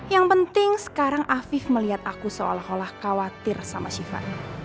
yang penting sekarang afif melihat aku seolah olah khawatir sama sifat